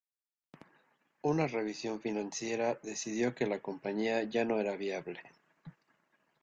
Una revisión financiera decidió que la compañía ya no era viable.